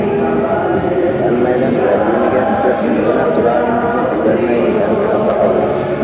ھەممەيلەن ۋەھىمىگە چۈشۈپ نېمە قىلارىمىزنى بىلەلمەي تەمتىرەپلا قالدۇق.